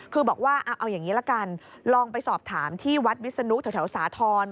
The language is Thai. คือบอกว่าเอาอย่างนี้ละกันลองไปสอบถามที่วัดวิศนุแถวสาธรณ์